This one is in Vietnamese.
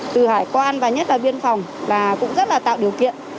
từ hải quan và nhất là biên phòng là cũng rất là tạo điều kiện